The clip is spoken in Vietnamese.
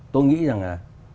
tôi nghĩ rằng là